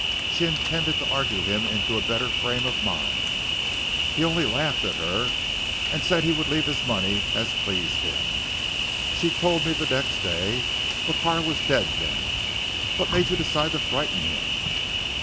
She intended to argue him into a better frame of mind. He only laughed at her and said he would leave his money as pleased him. She told me the next day. But Carr was dead then." "What made you decide to frighten him?"